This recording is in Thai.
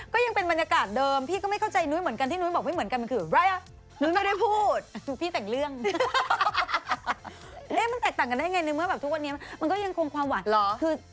ก็ยังเป็นบรรยากาศเดิมพี่ก็ไม่เข้าใจนุ้ยเหมือนกันที่นุ้ยบอกไม่เหมือนกันมันคืออะไรอ่ะนุ้ย